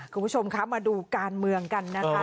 คุณผู้ชมคะมาดูการเมืองกันนะคะ